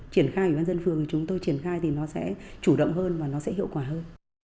triển khai ủy ban dân phường thì chúng tôi triển khai thì nó sẽ chủ động hơn và nó sẽ hiệu quả hơn